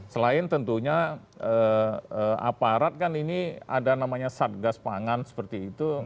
selain tentunya aparat kan ini ada namanya satgas pangan seperti itu